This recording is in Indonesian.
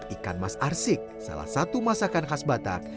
ikan mas arsik salah satu masakan khas batak